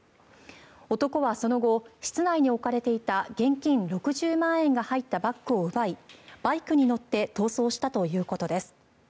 男はその後、室内に置かれていた現金６０万円が入ったバッグを奪いバイクに乗って逃走したということです。